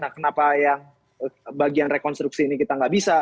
kenapa yang bagian rekonstruksi ini kita gak bisa